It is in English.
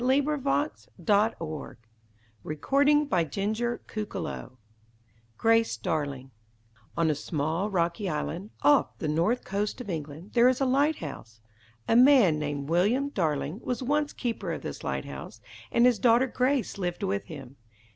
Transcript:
[Illustration: THE HIGHLANDERS ENTERING LUCKNOW] =Grace Darling= On a small rocky island, off the north coast of England, there is a lighthouse. A man named William Darling was once keeper of this lighthouse, and his daughter Grace lived with him.